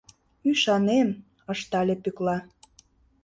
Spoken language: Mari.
— Ӱшанем, — ыштале Пӧкла.